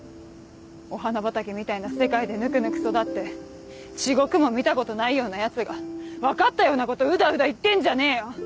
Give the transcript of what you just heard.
お花畑みたいな世界でぬくぬく育って地獄も見たことないようなヤツが分かったようなことうだうだ言ってんじゃねえよ。